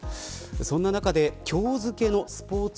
そんな中で、今日付のスポーツ